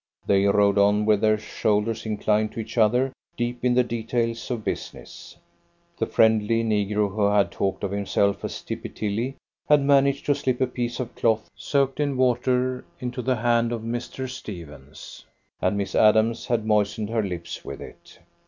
They rode on with their shoulders inclined to each other, deep in the details of business. The friendly negro who had talked of himself as Tippy Tilly had managed to slip a piece of cloth soaked in water into the hand of Mr. Stephens, and Miss Adams had moistened her lips with it.